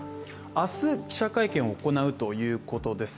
明日、記者会見を行うということです。